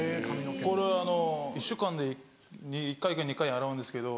これあの１週間で１回か２回洗うんですけど。